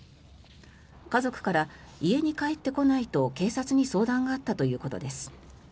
家族から家に帰ってこないと警察に相談があったということです。